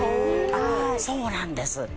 ああそうなんです。